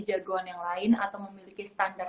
jagoan yang lain atau memiliki standar